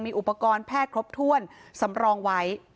อุปกรณ์แพทย์ครบถ้วนสำรองไว้